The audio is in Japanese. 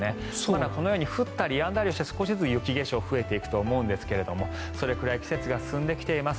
このように降ったりやんだりして少しずつ雪化粧が増えていくと思うんですがそれくらい季節が進んできています。